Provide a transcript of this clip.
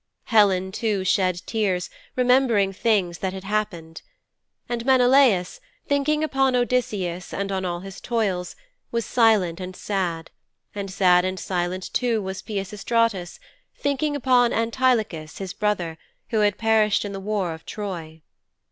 Helen, too, shed tears, remembering things that had happened. And Menelaus, thinking upon Odysseus and on all his toils, was silent and sad; and sad and silent too was Peisistratus, thinking upon Antilochos, his brother, who had perished in the war of Troy.